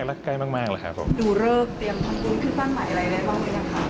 ดูเลิกเตรียมทำบุญขึ้นบ้านใหม่อะไรได้บ้างไหมนะคะ